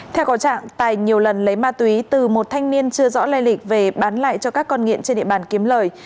theo có trạng tài nhiều lần lấy ma túy từ một thanh niên chưa rõ lây lịch về bán lại cho các con nghiện trên địa bàn kiếm lời